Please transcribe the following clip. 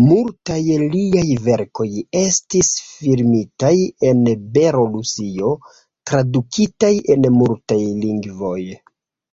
Multaj liaj verkoj estis filmitaj en Belorusio, tradukitaj en multaj lingvoj.